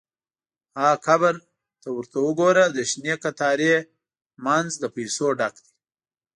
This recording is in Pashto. – ها قبر! ته ورته وګوره، د شنې کتارې مینځ له پیسو ډک دی.